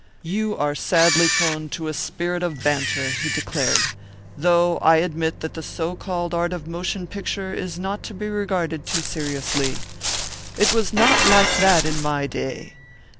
"You are sadly prone to a spirit of banter," he declared, "though I admit that the so called art of the motion picture is not to be regarded too seriously. It was not like that in my day.